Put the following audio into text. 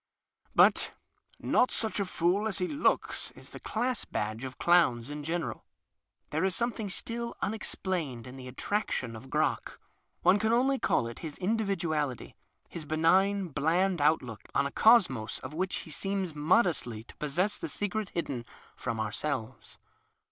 But " not such a fool as he looks " is the class badge of clowns in general. There is something still unexplained in the attrac tion of Crock. One can only call it his individuality — his benign, bland outlook on a cosmos of which he seems modestly to possess the secret hidden from our selves.